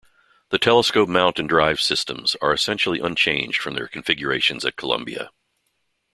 The telescope mount and drive systems are essentially unchanged from their configurations at Columbia.